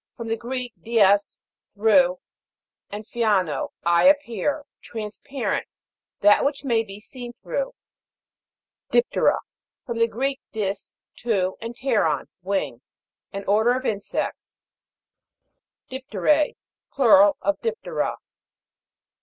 From the Greek, did, through, and phaino, 1 appear. Transparent ; that which may be seen through. DIP'TERA. From the Greek, dis, two, and pteron, wing. An order of in sects. DIP'TERA. Plural of Dip'tera.